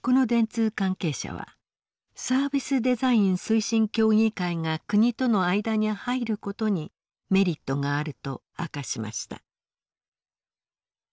この電通関係者はサービスデザイン推進協議会が国との間に入ることにメリットがあると明かしました。